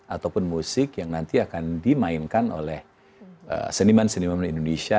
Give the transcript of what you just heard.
ataupun musik yang nanti akan dimainkan oleh seniman seniman indonesia